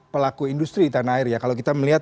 pelaku industri tanah air ya kalau kita melihat